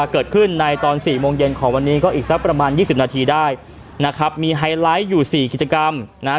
เกิดขึ้นในตอนสี่โมงเย็นของวันนี้ก็อีกสักประมาณยี่สิบนาทีได้นะครับมีไฮไลท์อยู่สี่กิจกรรมนะฮะ